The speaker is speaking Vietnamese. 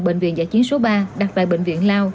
bệnh viện giã chiến số ba đặt tại bệnh viện lao